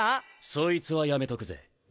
そいつはやめとくぜ。